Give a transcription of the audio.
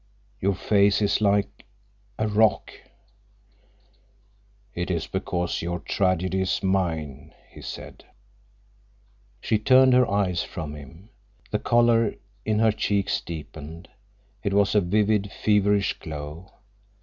Your face is like—a rock." "It is because your tragedy is mine," he said. She turned her eyes from him. The color in her cheeks deepened. It was a vivid, feverish glow.